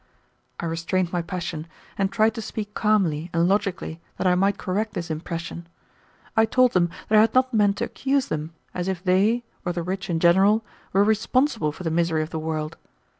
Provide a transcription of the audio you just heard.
I restrained my passion, and tried to speak calmly and logically that I might correct this impression. I told them that I had not meant to accuse them, as if they, or the rich in general, were responsible for the misery of the world.